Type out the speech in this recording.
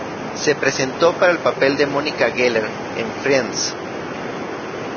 Se presentó para el papel de Monica Geller, en "Friends".